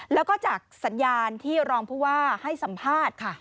แล้วก็จากสัญญาณที่รองผู้ว่าให้สัมภาษณ์ค่ะ